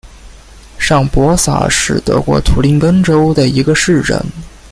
上伯萨是德国图林根州的一个市镇。